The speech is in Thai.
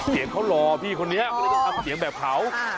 เสียงเขารอพี่คนนี้ทำเสียงแบบเขา